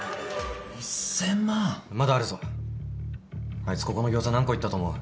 あいつここのギョーザ何個いったと思う？